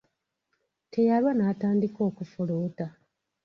Teyalwa n'atandika okufuluuta.